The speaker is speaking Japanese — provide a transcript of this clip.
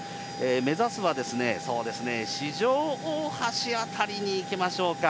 目指すは、そうですね、四条大橋辺りに行きましょうか。